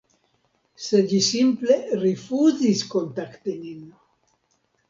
sed ĝi simple rifuzis kontakti nin.